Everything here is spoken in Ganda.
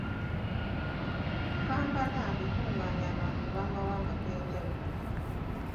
Kampala ekungaanya abantu ab’amawanga ag’enjawulo!